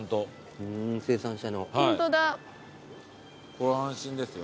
これ安心ですよ。